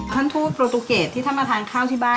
ท่านทูตโปรตูเกตที่ท่านมาทานข้าวที่บ้าน